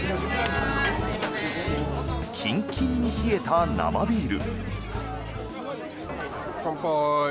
キンキンに冷えた生ビール。